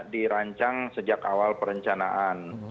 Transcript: dirancang sejak awal perencanaan